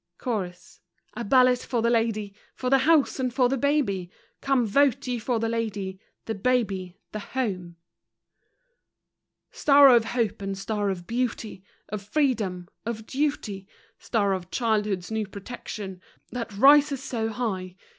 CHORUS: A ballot for the Lady! For the Home and for the Baby! Come, vote ye for the Lady, The Baby, the Home! Star of Hope and Star of Beauty! Of Freedom! Of Duty! Star of childhood's new protection, That rises so high!